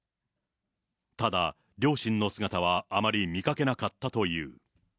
ただ、両親の姿はあまり見かけなかったという。